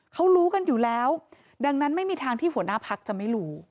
เขารู้กันอยู่แล้วดังนั้นไม่มีทางที่หัวหน้าพักจะไม่รู้